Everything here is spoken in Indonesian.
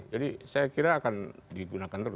jadi saya kira akan digunakan terus